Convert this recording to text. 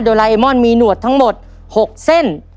ลายเอมอนมีหนวดทั้งหมด๖เส้น